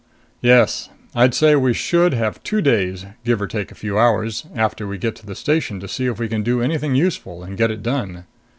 "Yes. I'd say we should have two days, give or take a few hours, after we get to the station to see if we can do anything useful and get it done.